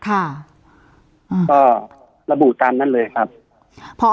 ค่ะก็ระบุตามนั้นเลยครับพอ